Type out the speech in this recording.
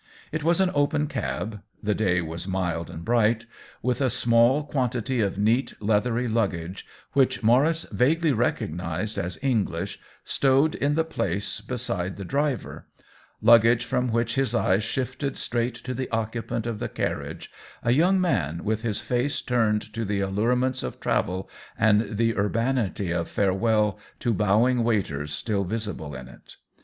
It was an open cab — the day was mild and bright — with a small quantity of neat, leathery luggage, which Maurice vaguely recognized as English, stowed in the place beside the driver — luggage from which his eyes shifted straight to the occupant of the carriage, a young man with his face turned to the al lurements of travel and the urbanity of fare well to bowing waiters still visible in it.